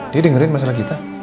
dia dengerin masalah kita